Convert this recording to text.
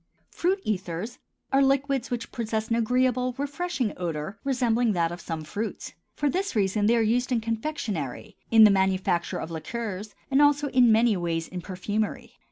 FRUIT ETHERS are liquids which possess an agreeable, refreshing odor resembling that of some fruits. For this reason they are used in confectionery, in the manufacture of liqueurs, and also in many ways in perfumery.